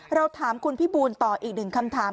เราถามคุณพี่บูลต่ออีกหนึ่งคำถาม